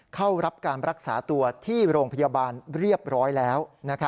เข้ารับการรักษาตัวที่โรงพยาบาลเรียบร้อยแล้ว